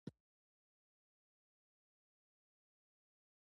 پوهه یوازې معلومات نه، بلکې بصیرت دی.